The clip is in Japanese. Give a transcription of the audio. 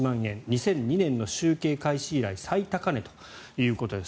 ２００２年の集計開始以来最高値ということです。